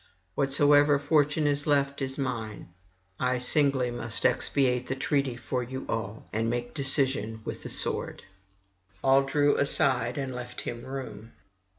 Whatsoever fortune is left is mine: I singly must expiate the treaty for you all, and make decision with the sword.' All drew aside and left him room.